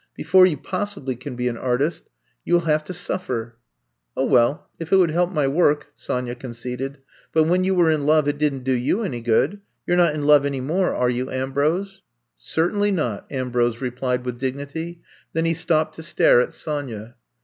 Be fore you possibly can be an artist you *11 have to suffer.^* 0 well, if it would help my work,*' Sonya conceded. But when you were in love it did n 't do you any good — you 're not in love any more, are you, Ambrose f ''Certainly not,'' Ambrose replied with dignity. Then he stopped to stare at Sonya.